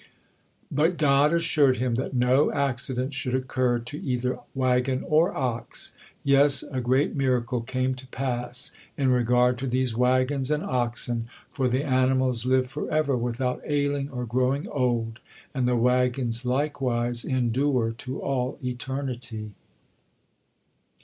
But God assured him that no accident should occur to either wagon or ox, — yes, a great miracle came to pass in regard to these wagons and oxen, for the animals live forever without ailing or growing old, and the wagons likewise endure to all eternity.